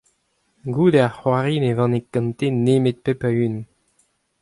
Goude ar c'hoari ne vane gante nemet pep a unan.